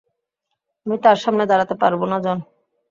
আমি তার সামনে দাঁড়াতে পারব না, জন।